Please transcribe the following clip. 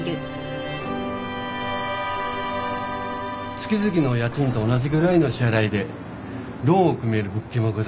・月々の家賃と同じぐらいの支払いでローンを組める物件もございますよ。